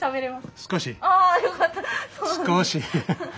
少し。